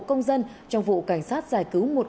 công dân trong vụ cảnh sát giải cứu